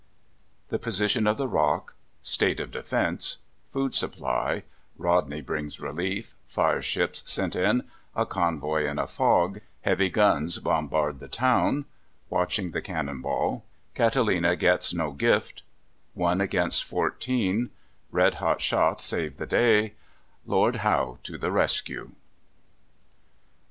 The position of the Rock State of defence Food supply Rodney brings relief Fire ships sent in A convoy in a fog Heavy guns bombard the town Watching the cannon ball Catalina gets no gift One against fourteen Red hot shot save the day Lord Howe to the rescue.